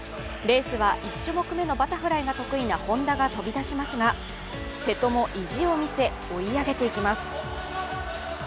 レースは１種目めのバタフライが得意な本多が飛び出しますが瀬戸も意地を見せ追い上げていきます。